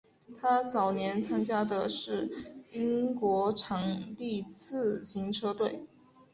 他早年参加的是英国场地自行车队。